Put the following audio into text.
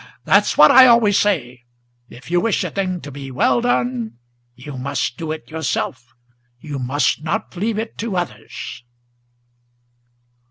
That's what I always say; if you wish a thing to be well done, You must do it yourself, you must not leave it to others!"